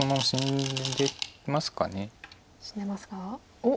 おっ。